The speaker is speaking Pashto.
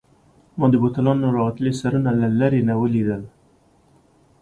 ما بوتلانو راوتلي سرونه له لیري نه ولیدل.